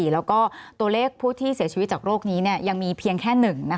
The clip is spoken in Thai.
แล้วก็ตัวเลขผู้ที่เสียชีวิตจากโรคนี้ยังมีเพียงแค่๑